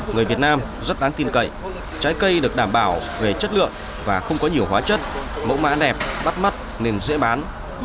người việt nam rất đáng tin cậy trái cây được đảm bảo về chất lượng và không có nhiều hóa chất mẫu mã đẹp bắt mắt nên dễ bán